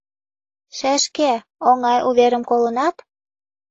Шешке, оҥай уверым колынат?